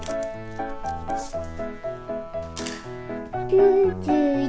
９１。